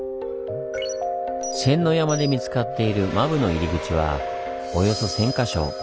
仙ノ山で見つかっている間歩の入り口はおよそ１，０００か所。